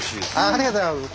ありがとうございます。